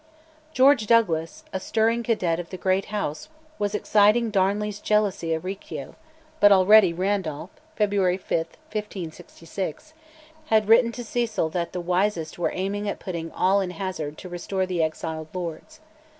George Douglas, a stirring cadet of the great House was exciting Darnley's jealousy of Riccio, but already Randolph (February 5, 1566) had written to Cecil that "the wisest were aiming at putting all in hazard" to restore the exiled Lords.